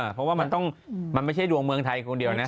เพราะว่ามันไม่ใช่ดวงเมืองไทยคนเดียวนะ